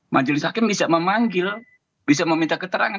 majelis hakim bisa memanggil bisa meminta keterangan